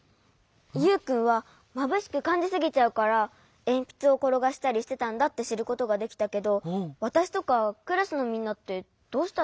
ユウくんはまぶしくかんじすぎちゃうからえんぴつをころがしたりしてたんだってしることができたけどわたしとかクラスのみんなってどうしたらいいの？